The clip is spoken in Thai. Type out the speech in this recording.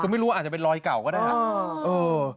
ก็ไม่รู้อาจจะเป็นรอยเก่าก็ได้